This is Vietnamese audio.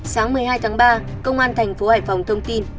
sáng một mươi hai tháng ba công an tp hải phòng thông tin